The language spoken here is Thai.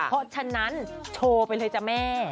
เพราะฉะนั้นโชว์ไปเลยจ้ะแม่